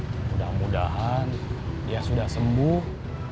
mudah mudahan dia sudah sembuh